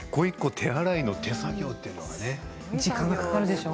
手洗いの手作業というのが。